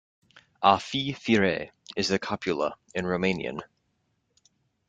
"A fi, fire" is the copula in Romanian.